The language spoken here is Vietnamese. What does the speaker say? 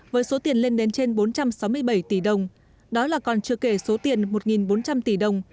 với số tiền lên đến trên bốn trăm sáu mươi bảy tỷ đồng đó là còn chưa kể số tiền một bốn trăm linh tỷ đồng